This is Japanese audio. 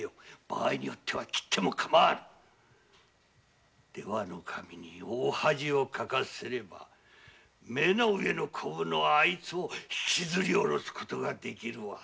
場合によっては切ってもよい出羽守に大恥をかかせれば目の上のコブのあいつをひきずり降ろす事ができるわ。